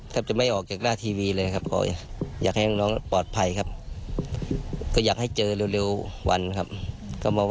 ก็ไม่ต่างจากที่บริเวณสารพระแม่ญาติจังหวัดสุโขทัย